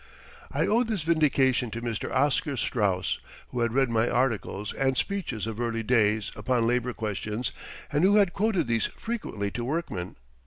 I owe this vindication to Mr. Oscar Straus, who had read my articles and speeches of early days upon labor questions, and who had quoted these frequently to workmen.